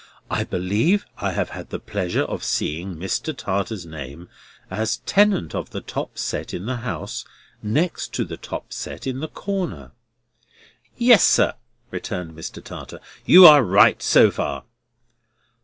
I believe I have had the pleasure of seeing Mr. Tartar's name as tenant of the top set in the house next the top set in the corner?" "Yes, sir," returned Mr. Tartar. "You are right so far."